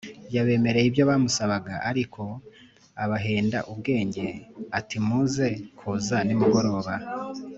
Yabemereye ibyo bamusabaga, ariko abahenda ubwenge ati muze kuza nimugoroba